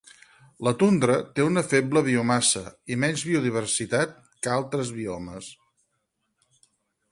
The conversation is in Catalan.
La tundra té una feble biomassa i menys biodiversitat que altres biomes.